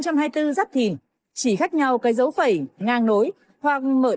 chỉ khác nhau cái dấu phẩy ngang nối hoặc mở đặt